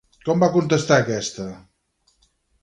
Com va contestar aquesta?